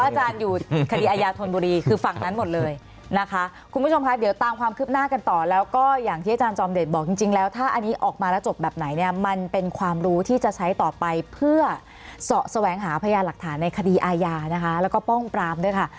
อาจารย์อยู่คดีอาญาธนบุรีคือฝั่งนั้นหมดเลยนะคะคุณผู้ชมค่ะเดี๋ยวตามความคืบหน้ากันต่อแล้วก็อย่างที่อาจารย์จอมเดชบอกจริงแล้วถ้าอันนี้ออกมาแล้วจบแบบไหนเนี่ยมันเป็นความรู้ที่จะใช้ต่อไปเพื่อเสาะแสวงหาพยานหลักฐานในคดีอาญานะคะแล้วก็ป้องปรามด้วยค่ะ